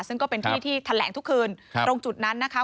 ซึ่งก็เป็นที่ที่แถลงทุกคืนตรงจุดนั้นนะคะ